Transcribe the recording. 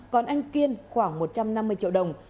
còn anh kiên khoảng một trăm năm mươi triệu đồng